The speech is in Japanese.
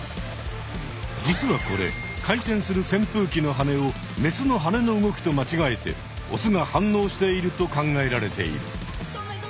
実はこれ回転する扇風機のはねをメスのはねの動きとまちがえてオスが反応していると考えられている。